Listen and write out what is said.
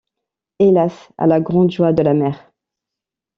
Hélas! à la grande joie de la mère.